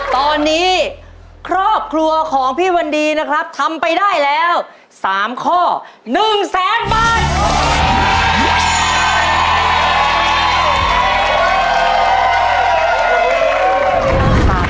ตอนนี้ครอบครัวของพี่วันดีนะครับทำไปได้แล้ว๓ข้อ๑แสนบาท